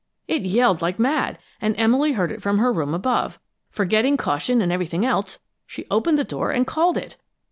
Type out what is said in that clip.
It yelled like mad, and Emily heard it from her room above. Forgetting caution and everything else, she opened the door and called it!